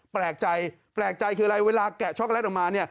แปลกใจคืออะไรเวลาแกะช็อกโกแลตออกมา